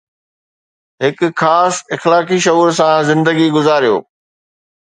هڪ خاص اخلاقي شعور سان زندگي گذاريو